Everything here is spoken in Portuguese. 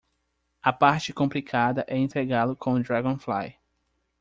A parte complicada é integrá-lo com o Dragonfly.